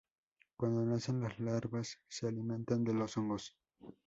Cuando nacen las larvas se alimentan de los hongos.